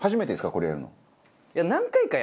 これやるの。